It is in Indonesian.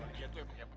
pak bagel kenapa pak